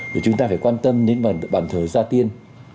rồi chúng ta phải quan tâm đến bản thờ gia tiên